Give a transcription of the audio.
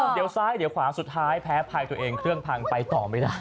เดี๋ยวซ้ายเดี๋ยวขวาสุดท้ายแพ้ภัยตัวเองเครื่องพังไปต่อไม่ได้